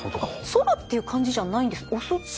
反るっていう感じじゃないんです押す。